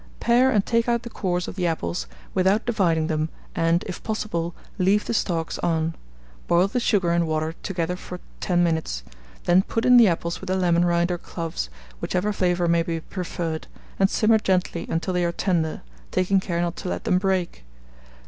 Pare and take out the cores of the apples, without dividing them, and, if possible, leave the stalks on; boil the sugar and water together for 10 minutes; then put in the apples with the lemon rind or cloves, whichever flavour may be preferred, and simmer gently until they are tender, taking care not to let them break.